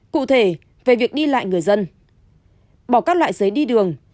cụ thể về việc đi lại người dân bỏ các loại giấy đi đường